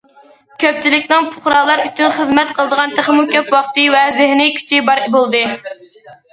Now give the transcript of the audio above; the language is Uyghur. كۆپچىلىكنىڭ پۇقرالار ئۈچۈن خىزمەت قىلىدىغان تېخىمۇ كۆپ ۋاقتى ۋە زېھنىي كۈچى بار بولدى.